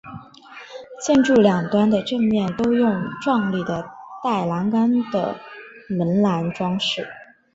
建筑两端的正面都用壮丽的带栏杆的门廊装饰。